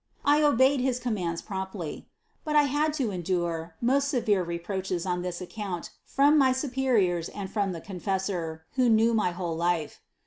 I obeyed his commands promptly ; but I had to endure most severe re proaches on this account from my superiors and from the confessor, who knew my whole life.